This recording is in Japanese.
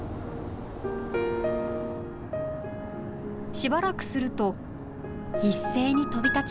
しばらくすると一斉に飛び立ちました。